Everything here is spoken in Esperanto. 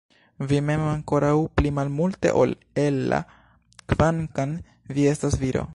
Vi mem ankoraŭ pli malmulte ol Ella kvankam vi estas viro!